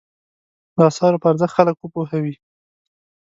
د اثارو په ارزښت خلک وپوهوي.